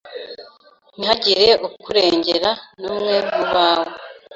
ntihagire ukurengera numwe mubawe